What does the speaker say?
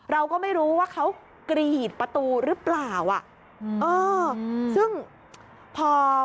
เราก็ไม่รู้ว่าเขากรีดประตูหรือเปล่าอ่ะเออซึ่งพอ